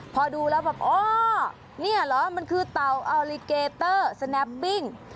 พอดูแล้วแบบอ้อเนี่ยเหรอมันคือเตาสแนปปิ้ง